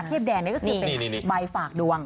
เทียบแดงนี่คือใบฝากดวง